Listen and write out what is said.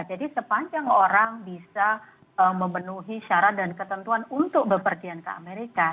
jadi sepanjang orang bisa memenuhi syarat dan ketentuan untuk berpergian ke amerika